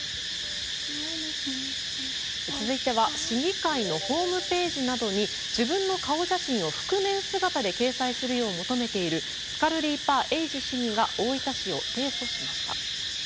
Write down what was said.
続いては市議会のホームページなどに自分の顔写真を覆面姿で掲載するよう求めたスカルリーパー・エイジ市議が大分市を提訴しました。